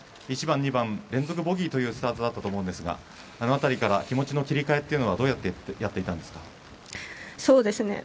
１番２番連続ボギーというスタートだったと思うんですがどのあたりから気持ちの切り替えというのはどのようにやっていったんでしょうか。